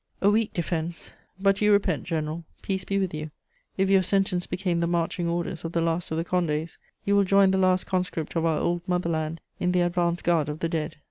A weak defense, but you repent, general: peace be with you! If your sentence became the marching orders of the last of the Condés, you will join the last conscript of our old mother land in the advance guard of the dead.